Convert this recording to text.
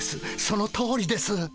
そのとおりです。